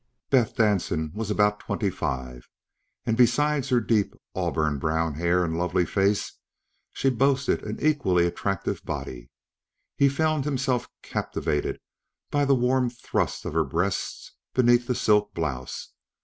Beth Danson was about twenty five and, besides her deep auburn brown hair and lovely face, she boasted an equally attractive body. He found himself captivated by the warm thrust of her breasts beneath the silk blouse.